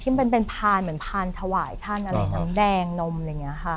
มันเป็นพานเหมือนพานถวายท่านอะไรน้ำแดงนมอะไรอย่างนี้ค่ะ